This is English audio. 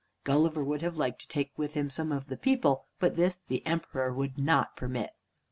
Gulliver would have liked to take with him some of the people, but this the Emperor would not permit.